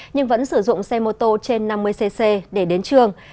nhưng vẫn sử dụng xe mô tô trên năm mươi cc để đến trường